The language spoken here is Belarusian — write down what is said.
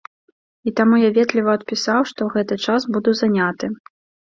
І таму я ветліва адпісаў, што ў гэты час буду заняты.